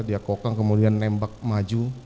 dia kokang kemudian nembak maju